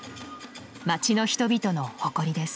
街の人々の誇りです。